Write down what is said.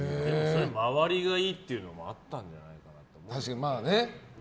周りがいいっていうのもあったんじゃないですか。